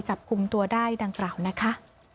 จับกลุ่มตัวได้ดังกล่าวนะคะ